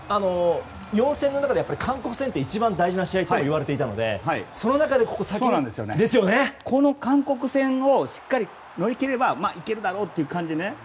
４戦の中で韓国戦って一番大事な試合ともいわれていたのでこの韓国戦をしっかり乗り切ればまあいけるだろうって感じでね。